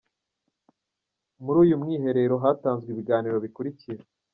Muri uyu mwiherero hatanzwe ibiganiro bikurikira:.